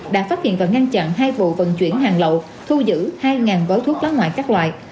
đã phát hiện và ngăn chặn hai vụ vận chuyển hàng lậu thu giữ hai gói thuốc lá ngoại các loại